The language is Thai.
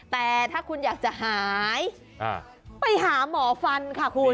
แต่ถ้าคุณอยากจะหายไปหาหมอฟันค่ะคุณ